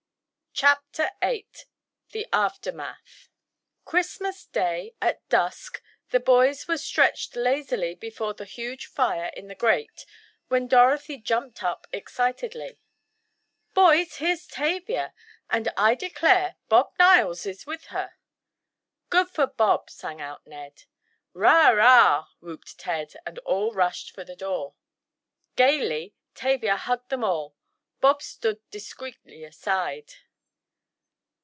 CHAPTER VIII THE AFTERMATH Christmas day, at dusk, the boys were stretched lazily before the huge fire in the grate, when Dorothy jumped up excitedly: "Boys, here's Tavia! And I declare, Bob Niles is with her!" "Good for Bob!" sang out Ned. "'Rah! 'Rah!" whooped Ted, and all rushed for the door. Gaily Tavia hugged them all. Bob stood discreetly aside.